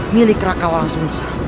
milik raka walah sunsa